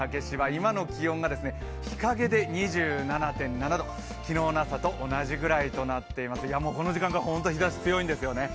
今の気温が日陰で２７．７度、昨日の朝と同じぐらいとなっていますが、この時間から本当日ざし強いんですよね。